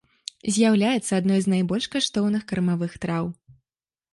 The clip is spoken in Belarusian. З'яўляецца адной з найбольш каштоўных кармавых траў.